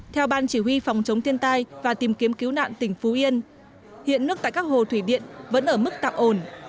theo ban chỉ huy phòng chống thiên tai và tìm kiếm cứu nạn tỉnh phú yên hiện nước tại các hồ thủy điện vẫn ở mức tạm ổn